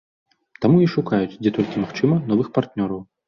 Таму і шукаюць, дзе толькі магчыма, новых партнёраў.